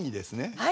はい。